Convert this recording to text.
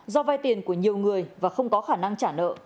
do vay tiền của nhiều người và không có khả năng trả nợ